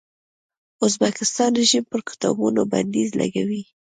ازبکستان رژیم پر کتابونو بندیز لګولی.